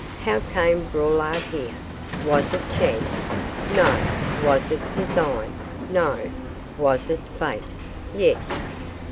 How came Braulard here? Was it chance? No. Was it design? No. Was it Fate? Yes.